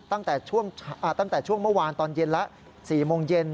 ตั้งแต่ช่วงเมื่อวานตอนเย็นแล้ว๔โมงเย็น